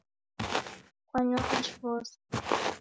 Kwanywa uji w'ose?